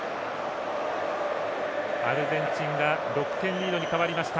アルゼンチンが６点リードに変わりました。